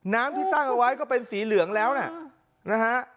น้ำที่ตั้งเอาไว้ก็เป็นสีเหลืองแล้วนะฮะ